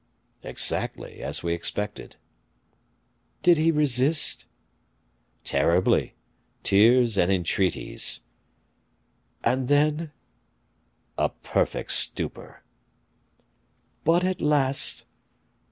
"Exactly as we expected." "Did he resist?" "Terribly! tears and entreaties." "And then?" "A perfect stupor." "But at last?"